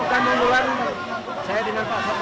program mingguan saya dengan pak faktawno ada lima ya